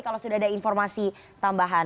kalau sudah ada informasi tambahan